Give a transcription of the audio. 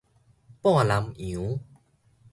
半男陽